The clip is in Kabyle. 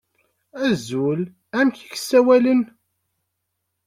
Azul, amek i k-ssawalen?